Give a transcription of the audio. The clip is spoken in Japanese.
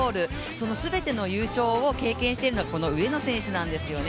その全ての優勝を経験しているのはこの上野選手なんですよね。